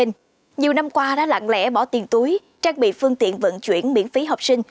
nhiều năm qua đã lặng lẽ bỏ tiền túi trang bị phương tiện vận chuyển miễn phí học sinh